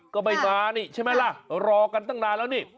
ก็ไม่มานี่ใช่ไหมล่ะรอกันตั้งนานแล้วนี่